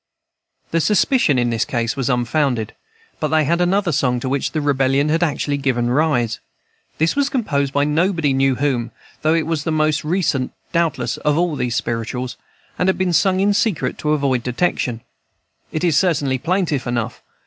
The suspicion in this case was unfounded, but they had another song to which the Rebellion had actually given rise. This was composed by nobody knew whom, though it was the most recent, doubtless, of all these "spirituals," and had been sung in secret to avoid detection. It is certainly plaintive enough.